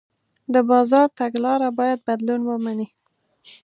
د بازار تګلاره باید بدلون ومني.